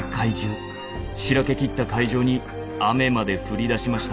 しらけきった会場に雨まで降りだしました。